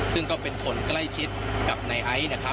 ซึ่งก็เป็นคนใกล้ชิดกับนายไอ้